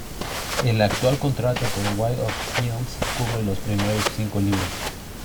El actual contrato por "Way of Kings" cubre los primeros cinco libros.